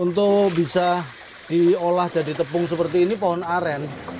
untuk bisa diolah jadi tepung seperti ini pohon aren